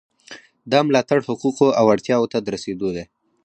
دا ملاتړ حقوقو او اړتیاوو ته د رسیدو دی.